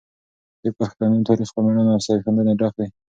د پښتنو تاریخ په مړانه او سرښندنې ډک دی.